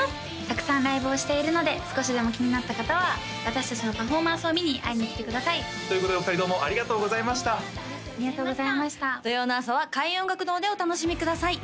たくさんライブをしているので少しでも気になった方は私達のパフォーマンスを見に会いに来てくださいということでお二人ともありがとうございましたありがとうございました土曜の朝は開運音楽堂でお楽しみください